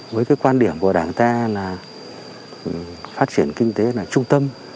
với cái quan điểm của đảng ta là phát triển kinh tế là trung tâm